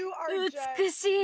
美しい！